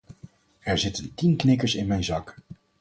Er zitten tien knikkers in mijn zak.